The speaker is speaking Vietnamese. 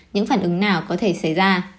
những phản ứng nào có thể xảy ra